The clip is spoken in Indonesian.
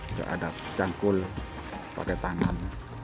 itu ada cangkul pakai tangan